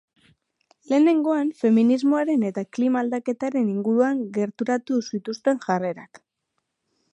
Lehenengoan feminismoaren eta klima aldaketaren inguruan gerturatu zituzten jarrerak.